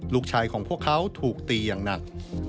ลูกชายของพวกเขาถูกตีอย่างหนัก